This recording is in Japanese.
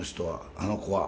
あの子は。